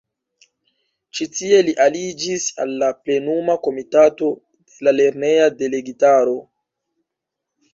Ĉi tie li aliĝis al la Plenuma Komitato de la lerneja delegitaro.